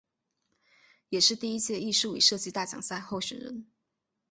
也是第一届艺术与设计大奖赛候选人。